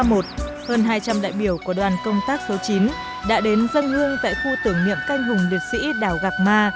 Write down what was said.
hơn hai trăm linh đại biểu của đoàn công tác số chín đã đến dân hương tại khu tưởng niệm canh hùng liệt sĩ đảo gạc ma